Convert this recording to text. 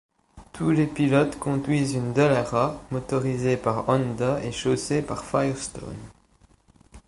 Tous les pilotes conduisent une Dallara, motorisée par Honda et chaussée par Firestone.